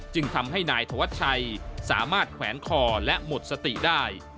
จึงทำให้นายธวัชชัยสามารถแขวนคอและหมดสติได้